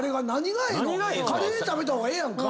カレー食べた方がええやんか。